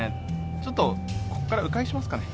ちょっとこっから迂回しますかね。